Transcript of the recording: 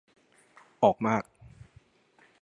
ออกมาก